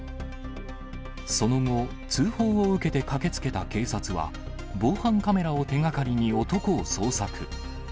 その後、通報を受けて駆けつけた警察は、防犯カメラを手がかりに男を捜索。